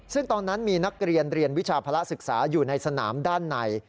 ซึ่งตอนนั้นมีนักเรียนเรียนวิชาภาระศึกษาอยู่ในสนามด้านใน